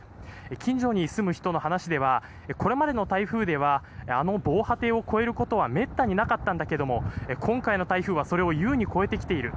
近所に住む人の話ではこれまでの台風ではあの防波堤を越えることはめったになかったんだけども今回の台風はそれを優に超えてきている。